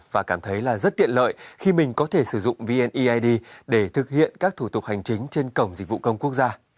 và cảm thấy là rất tiện lợi khi mình có thể sử dụng vneid để thực hiện các thủ tục hành chính trên cổng dịch vụ công quốc gia